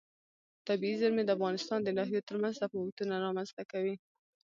طبیعي زیرمې د افغانستان د ناحیو ترمنځ تفاوتونه رامنځ ته کوي.